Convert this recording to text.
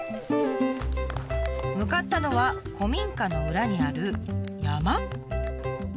向かったのは古民家の裏にある山。